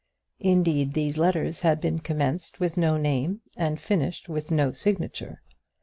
Indeed these letters had been commenced with no name, and finished with no signature.